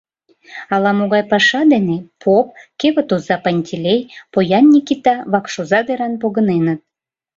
— Ала-могай паша дене поп, кевыт оза Пантелей, поян Никита вакшоза деран погыненыт.